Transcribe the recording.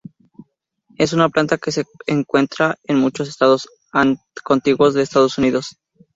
Es una planta que se encuentran en muchos estados contiguos de los Estados Unidos.